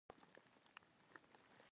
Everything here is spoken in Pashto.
لومړی د جمهور رئیس خبر و.